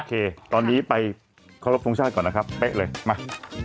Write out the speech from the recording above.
โอเคตอนนี้ไปข้อลบธงชาติก่อนนะครับไปเลยมา